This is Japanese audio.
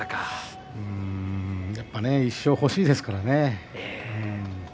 やっぱり１勝欲しいですからね。